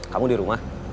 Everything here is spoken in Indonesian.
kamu di rumah